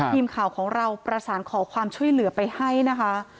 ทีมข่าวของเราประสานขอความช่วยเหลือไปให้นะคะ